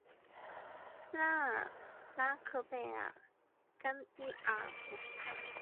斯沙尔拉克贝尔甘伊尔姆斯泰。